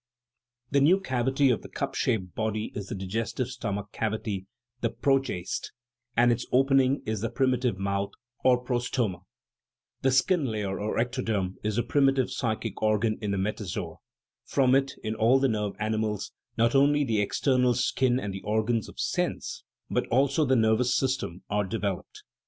The new cavity of the cup shaped body is the digestive stomach cavity (the progaste), and its opening is the primitive mouth (or prostoma)* The skin layer, or ec toderm, is the primitive psychic organ in the metazoa ; from it, in all the nerve animals, not only the external skin and the organs of sense, but also the nervous sys tem, are developed.